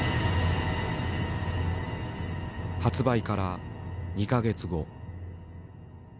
発売から２か月後。